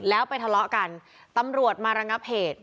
แล้วไปทะเลาะกันตำรวจมาระงับเหตุ